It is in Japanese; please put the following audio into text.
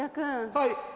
はい。